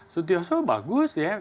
sutioso bagus ya